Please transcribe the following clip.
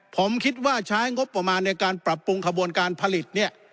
ผมคิดว่าใช้งบประมาณในการปรับปรุงขบวนการผลิตเนี่ย